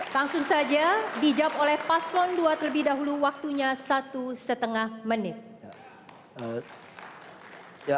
langsung saja dijawab oleh paslon dua terlebih dahulu waktunya satu lima menit